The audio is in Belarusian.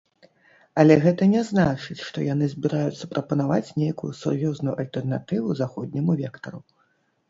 Але гэта не значыць, што яны збіраюцца прапанаваць нейкую сур'ёзную альтэрнатыву заходняму вектару.